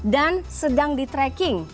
dan sedang di tracking